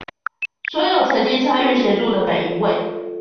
所有曾經參與、協助的每一位